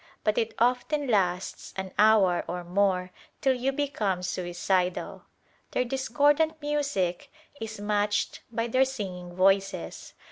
But it often lasts an hour or more till you become suicidal. Their discordant music is matched by their singing voices.